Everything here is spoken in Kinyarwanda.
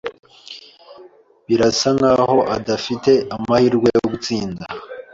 Birasa nkaho adafite amahirwe yo gutsinda.